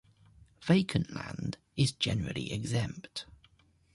Vacant land is generally exempt.